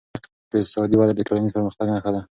اقتصادي وده د ټولنیز پرمختګ نښه ده.